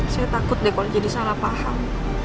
saya takut deh kalau jadi salah paham